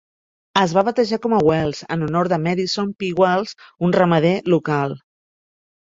Es va batejar com a Wells en honor de Madison P. Wells, un ramader local.